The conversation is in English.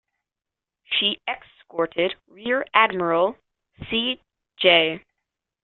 She escorted Rear Admiral C. J.